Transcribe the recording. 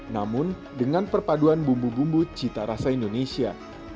namun dengan perpaduan bumbu bumbu cita rasa indonesia